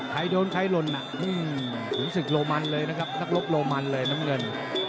ใครโดนใครลนถึงสิทธิ์โรมันเลยนะครับนักรบโรมันเลยน้ำเงิน